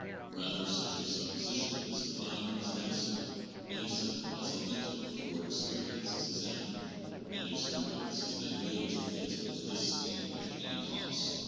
Rather such a supposition is defined as an axiom and accepted as authentic before experience is examined, and experience is then made to fit into this scheme at any cost.